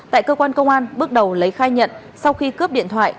tại cơ quan công an bước đầu lấy khai nhận sau khi cướp điện thoại